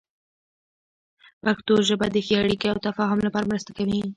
پښتو ژبه د ښې اړیکې او تفاهم لپاره مرسته کوي.